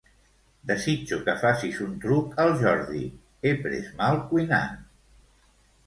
Desitjo que facis un truc al Jordi; he pres mal cuinant.